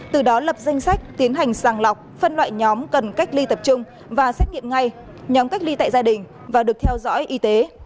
từ đó lập danh sách tiến hành sàng lọc phân loại nhóm cần cách ly tập trung và xét nghiệm ngay nhóm cách ly tại gia đình và được theo dõi y tế